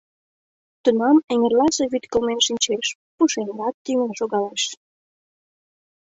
Тунам эҥерласе вӱд кылмен шинчеш, пушеҥгат тӱҥын шогалеш.